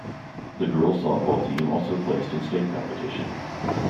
The girls' softball team also placed in state competition.